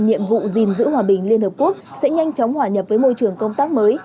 nhiệm vụ gìn giữ hòa bình liên hợp quốc sẽ nhanh chóng hòa nhập với môi trường công tác mới